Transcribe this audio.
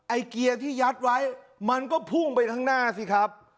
ไอเกียร์ที่ยัดไว้มันก็พุ่งไปข้างหน้าสิครับ